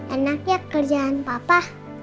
enak ya kerjaan papa